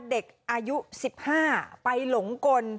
เด็กอายุ๑๕ไปหลงกล